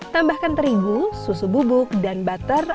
tambahkan terigu susu bubuk dan butter